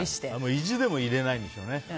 意地でも入れないんですね。